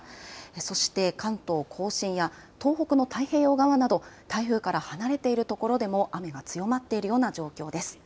そして関東甲信や東北の太平洋側など台風から離れているところでも雨が強まっているような状況です。